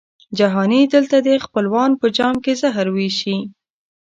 جهاني دلته دي خپلوان په جام کي زهر وېشي